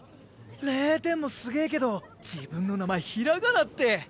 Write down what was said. ０点もすげぇけど自分の名前ひらがなって。